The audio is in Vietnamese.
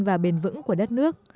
và bền vững của đất nước